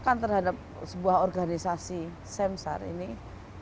pandangan jatuhnya itu kearemmm what to play